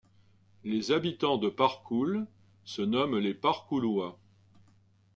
Les habitants de Parcoul se nomment les Parcoulois.